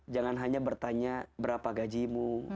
jangan hanya bertanya berapa gajimu